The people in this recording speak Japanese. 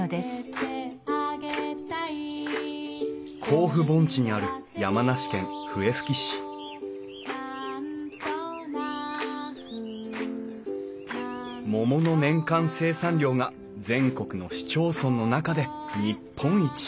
甲府盆地にある山梨県笛吹市桃の年間生産量が全国の市町村の中で日本一。